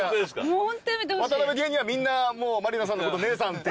ワタナベ芸人はみんな満里奈さんのこと姉さんって。